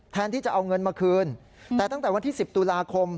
ที่จะเอาเงินมาคืนแต่ตั้งแต่วันที่๑๐ตุลาคม